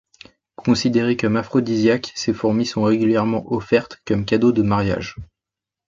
Considérées comme aphrodisiaques, ces fourmis sont régulièrement offertes comme cadeau de mariage.